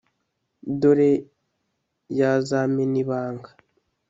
dore yazamena ibanga.